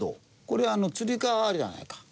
これつり革あるじゃないか。